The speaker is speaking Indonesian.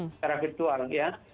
secara virtual ya